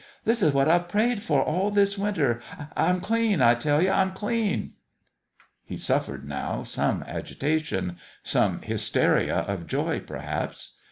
This is what I've prayed for all this winter. I'm clean, I tell ye I'm clean !" He suffered, now, some agitation some hysteria of joy, perhaps.